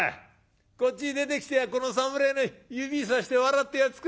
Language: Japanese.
こっちに出てきてこの侍に指さして笑ってやっつくれよ。